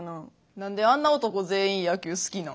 何であんな男全員野球好きなん？